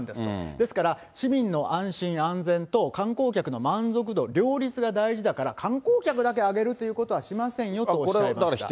ですから、市民の安心安全と観光客の満足度両立が大事だから、観光客だけ上げるということはしませんよとしました。